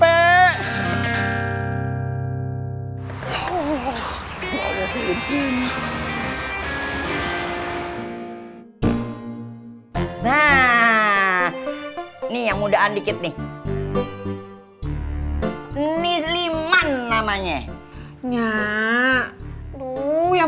hai hoho hai nah nih yang muda andi kit nih nih liman namanya nya tuh yang